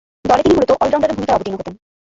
দলে তিনি মূলতঃ অল-রাউন্ডারের ভূমিকায় অবতীর্ণ হতেন।